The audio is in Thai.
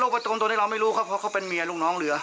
ประจงตัวนี้เราไม่รู้ครับเพราะเขาเป็นเมียลูกน้องเหลือ